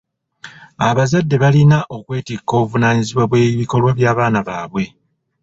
Abazadde balina okwetikka obuvunaanyizibwa bw'ebikolwa by'abaana baabwe.